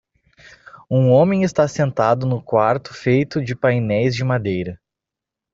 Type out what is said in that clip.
Um homem está sentado no quarto feito de painéis de madeira.